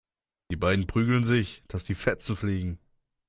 Die beiden prügeln sich, dass die Fetzen fliegen.